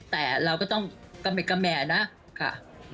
แต่เราก็ต้องกระแมกระแมนะค่ะ